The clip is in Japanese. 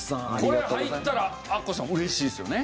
これ入ったらアッコさん嬉しいですよね。